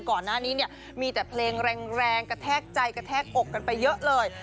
ก่อนหน้านี้เนี่ยมีแต่เพลงแรงกระแทกใจกระแทกอกกันไปเยอะเลย